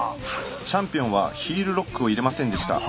チャンピオンはヒールロックを入れませんでした。